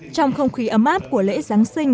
trong không khí ấm áp của lễ giáng sinh